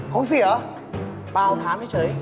ของเสียเหรอเปล่าถามเฉย